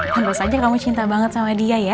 tentu saja kamu cinta banget sama dia ya